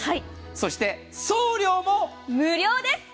そして送料も無料です。